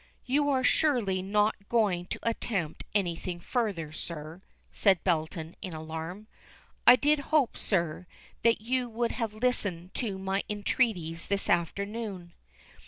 "You are surely not going to attempt anything further, sir," said Belton in alarm. "I did hope, sir, that you would have listened to my entreaties this afternoon."